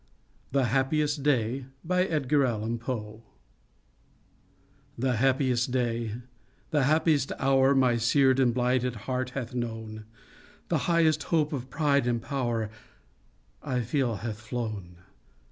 "THE HAPPIEST DAY." I The happiest day—the happiest hour My seared and blighted heart hath known, The highest hope of pride and power, I feel hath flown.